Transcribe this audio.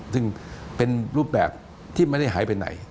ซึ่งเป็นรูปแบบที่ไม่ได้หายไปไหน